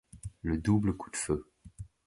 Le double coup de feu.